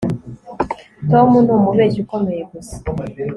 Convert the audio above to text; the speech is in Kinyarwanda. Tom numubeshyi ukomeye gusa